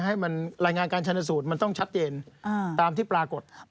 ให้มันรายงานการชนสูตรมันต้องชัดเจนตามที่ปรากฏ